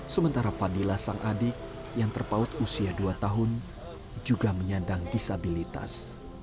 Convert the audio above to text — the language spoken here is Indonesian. sementara fadila sang adik yang terpaut usia dua tahun juga menyandang disabilitas